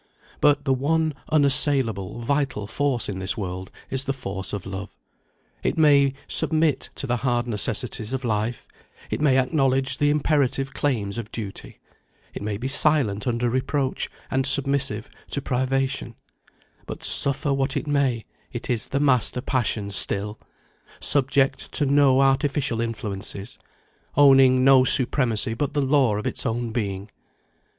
But the one unassailable vital force in this world is the force of love. It may submit to the hard necessities of life; it may acknowledge the imperative claims of duty; it may be silent under reproach, and submissive to privation but, suffer what it may, it is the master passion still; subject to no artificial influences, owning no supremacy but the law of its own being.